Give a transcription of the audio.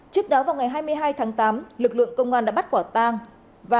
trước đó vào ngày hai mươi hai tháng tám lực lượng công an đã bắt quả tang